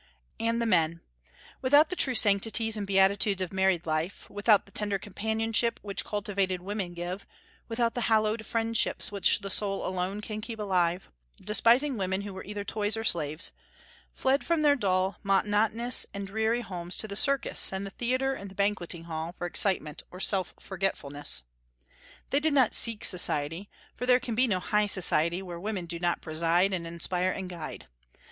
And the men, without the true sanctities and beatitudes of married life, without the tender companionship which cultivated women give, without the hallowed friendships which the soul alone can keep alive, despising women who were either toys or slaves, fled from their dull, monotonous, and dreary homes to the circus and the theatre and the banqueting hall for excitement or self forgetfulness. They did not seek society, for there can be no high society where women do not preside and inspire and guide.